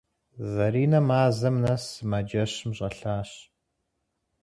Зэринэ мазэм нэс сымаджэщым щӏэлъащ.